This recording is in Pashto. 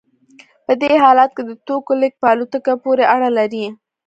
په دې حالت کې د توکو لیږد په الوتکه پورې اړه لري